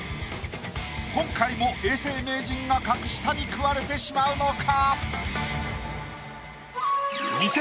今回も永世名人が格下に食われてしまうのか？